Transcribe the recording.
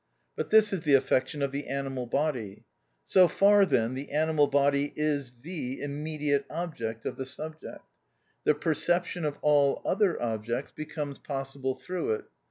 But this is the affection of the animal body. So far, then, the animal body is the immediate object of the subject; the perception of all other objects becomes possible through it.